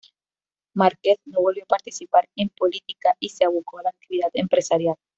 Márquez no volvió a participar en política y se abocó a la actividad empresarial.